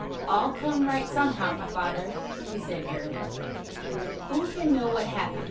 "All come right somehow, my father," he said airily. "Who can know what happen?